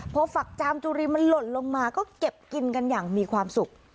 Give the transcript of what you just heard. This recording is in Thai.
พอฝักจามจุรีมันหล่นลงมาก็เก็บกินกันอย่างมีความสุข